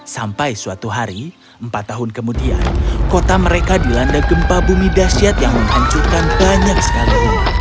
sampai suatu hari empat tahun kemudian kota mereka dilanda gempa bumi dasyat yang menghancurkan banyak sekali